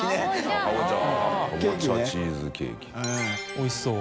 おいしそう。